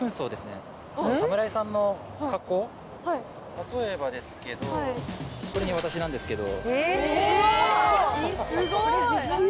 例えばですけどこれ私なんですけど。